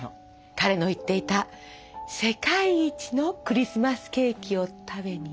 彼の言っていた世界一のクリスマスケーキを食べにね。